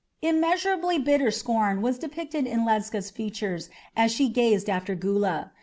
Immeasurably bitter scorn was depicted in Ledscha's features as she gazed after Gula.